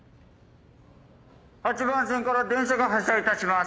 ８番線から電車が発車いたします。